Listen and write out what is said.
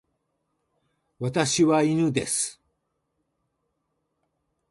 私は犬です。